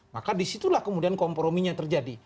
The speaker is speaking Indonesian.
maka disitulah kemudian komprominya terjadi